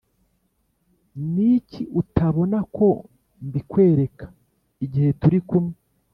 Niki utabona ko mbikwereka igihe turikumwe